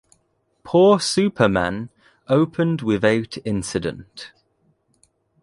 "Poor Super Man" opened without incident.